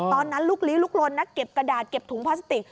ตอนนั้นลุกลี้ลุกลนนะเก็บกระดาษเก็บถุงพลาสติก